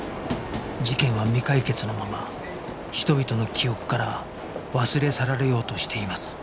事件は未解決のまま人々の記憶から忘れ去られようとしています